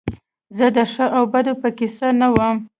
زه د ښه او بد په کیسه کې نه وم